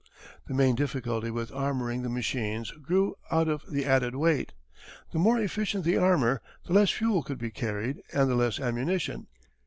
The main difficulty with armouring the machines grew out of the added weight. The more efficient the armour, the less fuel could be carried and the less ammunition.